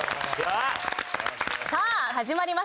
さあ始まりました。